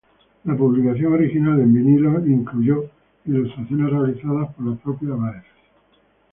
La publicación original en vinilo incluyó ilustraciones realizadas por la propia Baez.